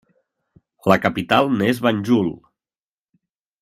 La capital n'és Banjul.